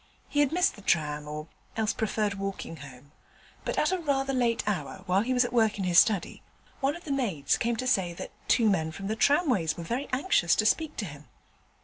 He had missed the tram, or else preferred walking home, but at a rather late hour, while he was at work in his study, one of the maids came to say that two men from the tramways was very anxious to speak to him.